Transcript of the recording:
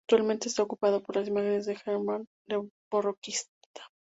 Actualmente está ocupada por las imágenes de la Hermandad de la Borriquita.